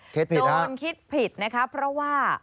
คิดผิดค่ะโดนคิดผิดนะครับเพราะว่า